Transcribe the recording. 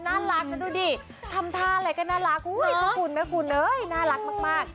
น่ารักนะดูดิทำท่าอะไรก็น่ารักอุ้ยน่ารักมากมาก